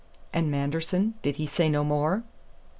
"And Manderson? Did he say no more?"